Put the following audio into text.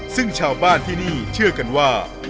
ซึ่งชาวบ้านที่นี่เชื่อกันว่า